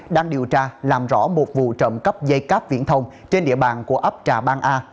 đang điều tra làm rõ một vụ trộm cắp dây cáp viễn thông trên địa bàn của ấp trà bang a